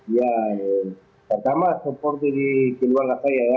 ya pertama support dari keluarga saya ya